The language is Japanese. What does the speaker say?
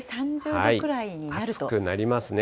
暑くなりますね。